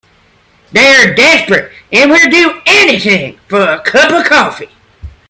They're desperate and will do anything for a cup of coffee.